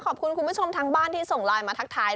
คุณผู้ชมทางบ้านที่ส่งไลน์มาทักทาย